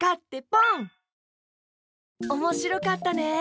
おもしろかったね。